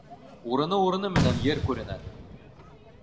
Урыны-урыны менән ер күренә.